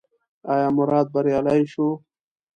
ایا مراد بریالی شو؟